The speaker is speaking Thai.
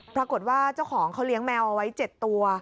ปรากฏว่าเจ้าของเขาเลี้ยงแมวเอาไว้๗ตัว